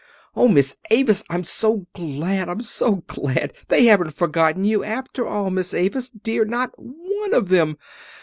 "Oh, Miss Avis, I'm so glad, I'm so glad! They haven't forgotten you after all, Miss Avis, dear, not one of them.